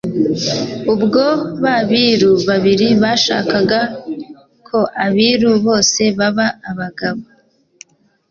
Ubwo ba biru babiri bashakaga kjo abiru bose baba abagabo